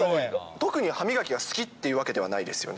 特に歯磨きが好きっていうわけではないですよね。